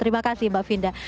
terima kasih mbak finda